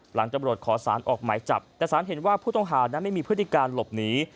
หลังจำรวจขอสารออกหมายจับแต่สารเห็นว่าผู้ต้องหาไม่มีพื้นที่การหลบหนี